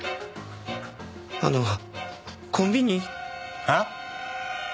あのコンビニ。はあ？